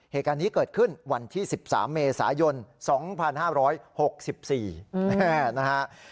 เหตุการณ์นี้เกิดขึ้นวันที่๑๓เมษายน๒๕๖๔นะฮะ